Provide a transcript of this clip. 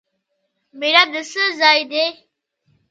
محراب د څه ځای دی؟